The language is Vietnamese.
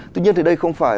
tuy nhiên thì đây không phải